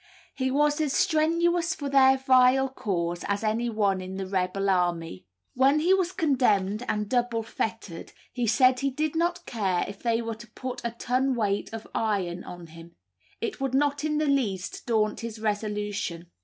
He was as strenuous for their vile cause as any one in the rebel army. When he was condemned and double fettered, he said he did not care if they were to put a ton weight of iron on him; it would not in the least daunt his resolution."